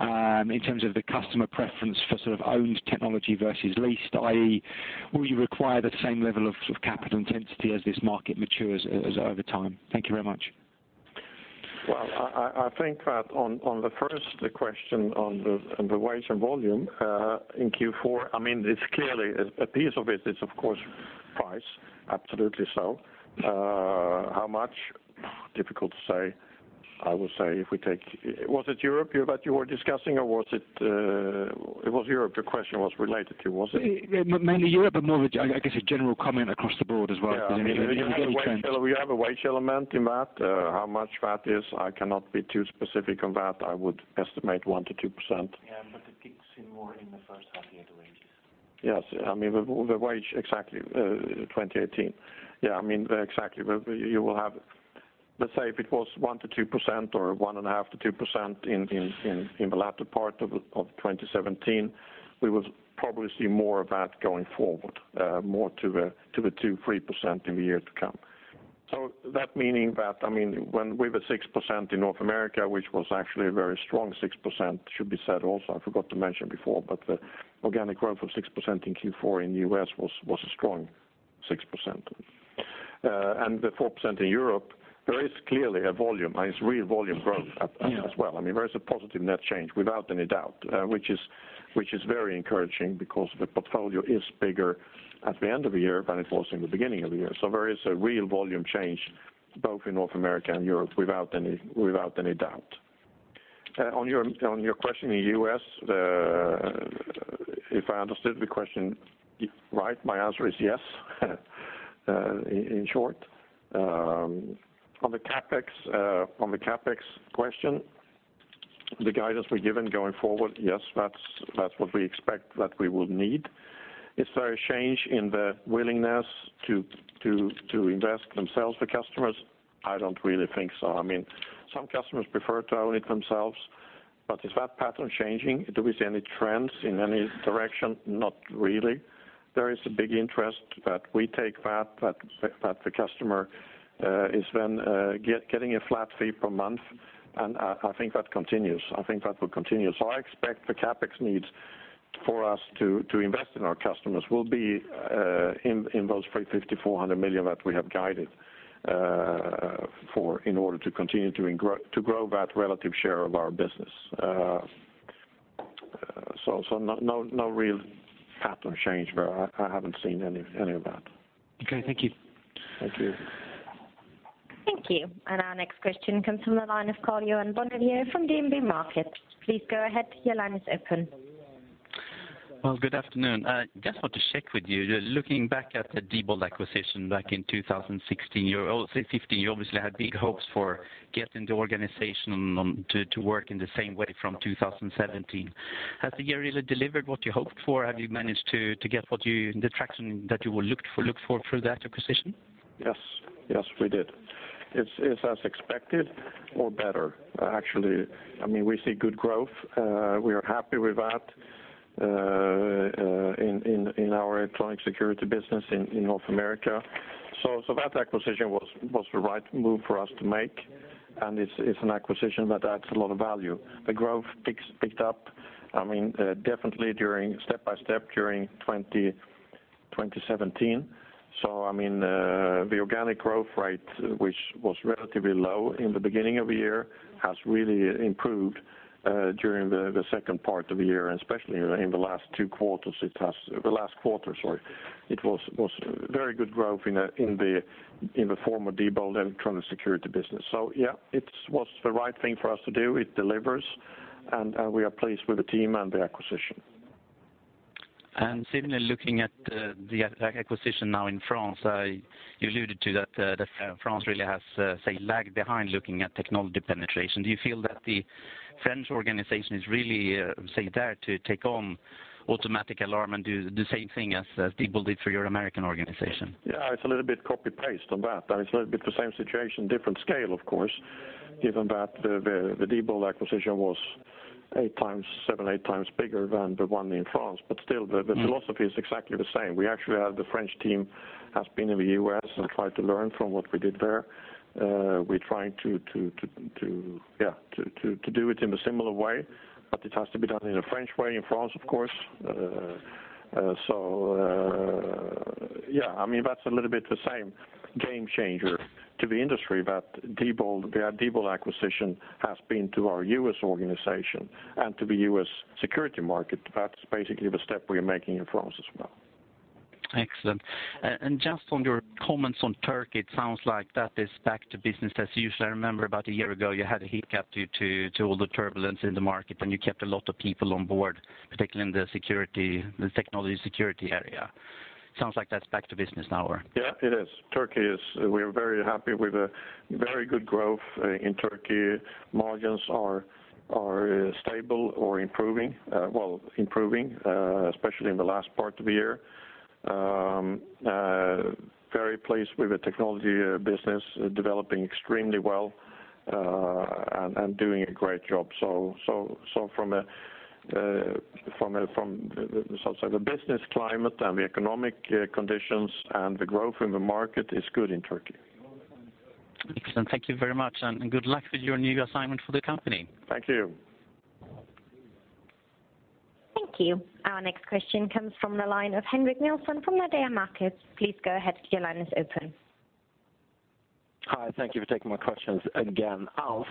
in terms of the customer preference for sort of owned technology versus leased, i.e., will you require the same level of capital intensity as this market matures over time? Thank you very much. Well, I think that on the first question on the wage and volume in Q4, I mean, it's clearly a piece of it is, of course, price. Absolutely so. How much? Difficult to say. I would say if we take was it Europe that you were discussing, or was it it was Europe. Your question was related to, was it? Mainly Europe, but more, I guess, a general comment across the board as well. Is there any trends? We have a wage element in that. How much that is, I cannot be too specific on that. I would estimate 1%-2%. Yeah. But it kicks in more in the first half-year to wages. Yes. I mean, the wage exactly 2018. Yeah. I mean, exactly. Let's say if it was 1%-2% or 1.5%-2% in the latter part of 2017, we would probably see more of that going forward, more to the 2%-3% in the year to come. So that meaning that, I mean, when we were 6% in North America, which was actually a very strong 6%, should be said also. I forgot to mention before, but the organic growth of 6% in Q4 in the US was a strong 6%. And the 4% in Europe, there is clearly a volume, i.e., real volume growth as well. I mean, there is a positive net change without any doubt, which is very encouraging because the portfolio is bigger at the end of the year than it was in the beginning of the year. So there is a real volume change both in North America and Europe without any doubt. On your question in the U.S., if I understood the question right, my answer is yes, in short. On the CapEx question, the guidance we're given going forward, yes, that's what we expect that we will need. Is there a change in the willingness to invest themselves for customers? I don't really think so. I mean, some customers prefer to own it themselves. But is that pattern changing? Do we see any trends in any direction? Not really. There is a big interest that we take that the customer is then getting a flat fee per month. And I think that continues. I think that will continue. So I expect the CapEx needs for us to invest in our customers will be in those 350 million-400 million that we have guided in order to continue to grow that relative share of our business. So no real pattern change, but I haven't seen any of that. Okay. Thank you. Thank you. Thank you. Our next question comes from the line of Karl-Johan Bonnevier from DNB Markets. Please go ahead. Your line is open. Well, good afternoon. Just want to check with you. Looking back at the Diebold acquisition back in 2016, say 2015, you obviously had big hopes for getting the organization to work in the same way from 2017. Has the year really delivered what you hoped for? Have you managed to get the traction that you looked for through that acquisition? Yes. Yes, we did. It's as expected or better, actually. I mean, we see good growth. We are happy with that in our electronic security business in North America. So that acquisition was the right move for us to make. And it's an acquisition that adds a lot of value. The growth picked up, I mean, definitely step by step during 2017. So, I mean, the organic growth rate, which was relatively low in the beginning of the year, has really improved during the second part of the year. And especially in the last two quarters, it has the last quarter, sorry. It was very good growth in the former Diebold electronic security business. So yeah, it was the right thing for us to do. It delivers. And we are pleased with the team and the acquisition. And similarly, looking at the acquisition now in France, you alluded to that France really has, say, lagged behind looking at technology penetration. Do you feel that the French organization is really, say, there to take on Automatic Alarm and do the same thing as Diebold did for your American organization? Yeah. It's a little bit copy-paste on that. And it's a little bit the same situation, different scale, of course, given that the Diebold acquisition was 7-8 times bigger than the one in France. But still, the philosophy is exactly the same. We actually have the French team has been in the U.S. and tried to learn from what we did there. We're trying to, yeah, to do it in a similar way. But it has to be done in a French way in France, of course. So yeah, I mean, that's a little bit the same game changer to the industry that the Diebold acquisition has been to our U.S. organization and to the U.S. security market. That's basically the step we're making in France as well. Excellent. And just on your comments on Turkey, it sounds like that is back to business as usual. I remember about a year ago, you had a hiccup due to all the turbulence in the market, and you kept a lot of people on board, particularly in the technology security area. Sounds like that's back to business now, or? Yeah, it is. We are very happy. We have very good growth in Turkey. Margins are stable or improving, well, improving, especially in the last part of the year. Very pleased with the technology business developing extremely well and doing a great job. So from, so to say, the business climate and the economic conditions and the growth in the market is good in Turkey. Excellent. Thank you very much. Good luck with your new assignment for the company. Thank you. Thank you. Our next question comes from the line of Henrik Nielsen from Nordea Markets. Please go ahead. Your line is open. Hi. Thank you for taking my questions again, Alf.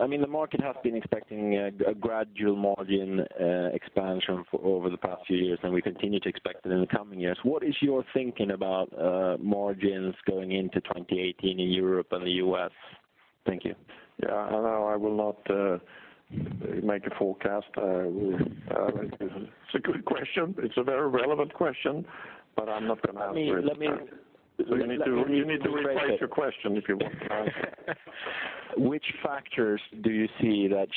I mean, the market has been expecting a gradual margin expansion over the past few years, and we continue to expect it in the coming years. What is your thinking about margins going into 2018 in Europe and the U.S.? Thank you. Yeah. I know I will not make a forecast. It's a good question. It's a very relevant question, but I'm not going to answer it. You need to replace your question if you want to answer. Which factors do you see that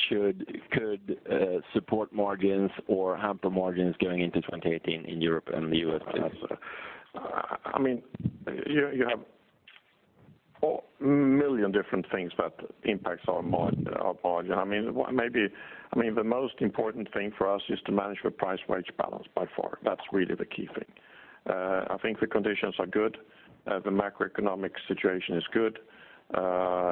could support margins or hamper margins going into 2018 in Europe and the US, please? I mean, you have a million different things that impact our margin. I mean, maybe the most important thing for us is to manage the price-wage balance by far. That's really the key thing. I think the conditions are good. The macroeconomic situation is good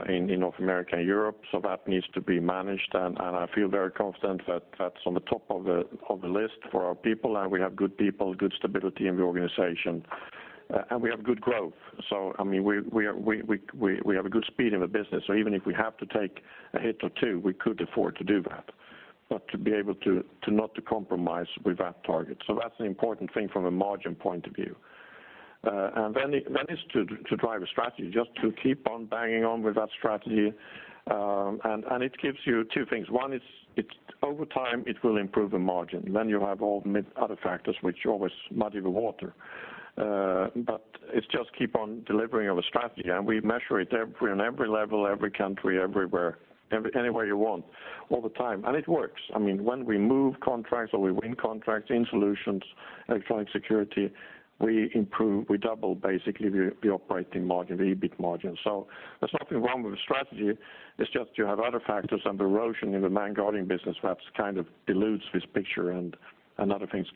in North America and Europe. So that needs to be managed. And I feel very confident that that's on the top of the list for our people. And we have good people, good stability in the organization, and we have good growth. So, I mean, we have a good speed in the business. So even if we have to take a hit or two, we could afford to do that, but to be able to not compromise with that target. So that's an important thing from a margin point of view. And then it's to drive a strategy, just to keep on banging on with that strategy. And it gives you two things. One, over time, it will improve the margin. Then you have all the other factors, which always muddy the water. But it's just keep on delivering of a strategy. And we measure it every on every level, every country, everywhere, anywhere you want, all the time. And it works. I mean, when we move contracts or we win contracts in solutions, electronic security, we improve. We double, basically, the operating margin, the EBIT margin. So there's nothing wrong with a strategy. It's just you have other factors and erosion in the manned guarding business that kind of dilutes this picture and other things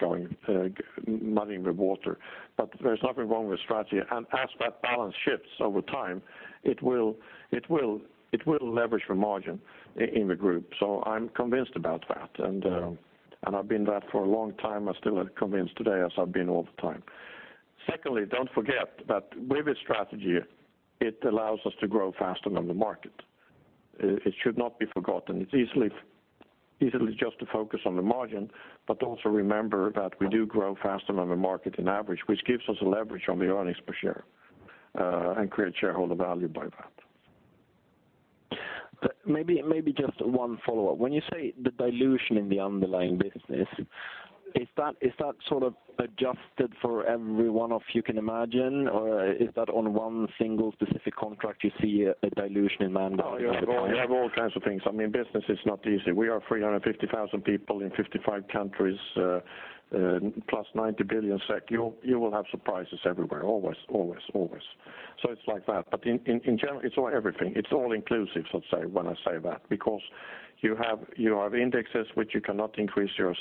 muddying the water. But there's nothing wrong with a strategy. And as that balance shifts over time, it will leverage the margin in the group. I'm convinced about that. I've been that for a long time. I'm still convinced today as I've been all the time. Secondly, don't forget that with a strategy, it allows us to grow faster than the market. It should not be forgotten. It's easily just to focus on the margin, but also remember that we do grow faster than the market in average, which gives us a leverage on the earnings per share and create shareholder value by that. Maybe just one follow-up. When you say the dilution in the underlying business, is that sort of adjusted for every one of you can imagine, or is that on one single specific contract you see a dilution in manned guarding over time? Oh, yeah. We have all kinds of things. I mean, business is not easy. We are 350,000 people in 55 countries plus 90 billion SEK. You will have surprises everywhere, always, always, always. So it's like that. But in general, it's all everything. It's all inclusive, so to say, when I say that because you have indexes, which you cannot increase your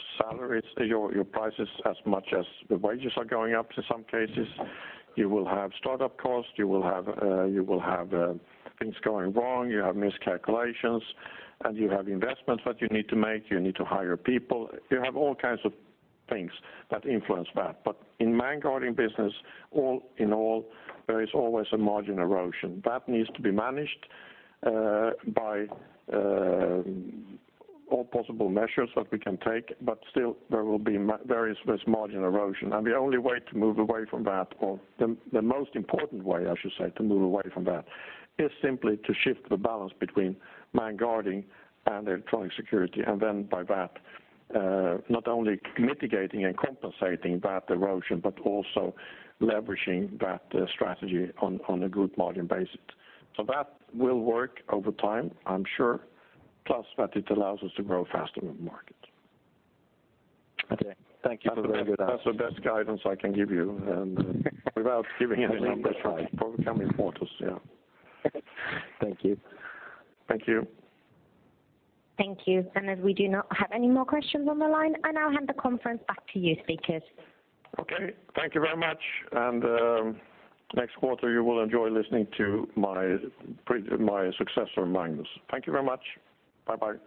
prices as much as the wages are going up in some cases. You will have startup costs. You will have things going wrong. You have miscalculations. And you have investments that you need to make. You need to hire people. You have all kinds of things that influence that. But in manned guarding business, all in all, there is always a margin erosion. That needs to be managed by all possible measures that we can take. But still, there will be there is this margin erosion. And the only way to move away from that, or the most important way, I should say, to move away from that, is simply to shift the balance between manned guarding and electronic security. And then by that, not only mitigating and compensating that erosion, but also leveraging that strategy on a good margin basis. So that will work over time, I'm sure, plus that it allows us to grow faster than the market. Okay. Thank you for very good answers. That's the best guidance I can give you without giving any numbers, which will probably come in quarters. Yeah. Thank you. Thank you. Thank you. As we do not have any more questions on the line, I now hand the conference back to you, speakers. Okay. Thank you very much. Next quarter, you will enjoy listening to my successor, Magnus. Thank you very much. Bye-bye.